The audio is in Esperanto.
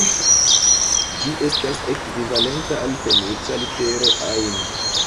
Ĝi estas ekvivalenta al fenica litero "ain".